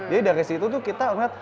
jadi dari situ tuh kita lihat